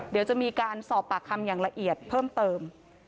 เดี๋ยวจะมีการสอบปากคำอย่างละเอียดเพิ่มเติม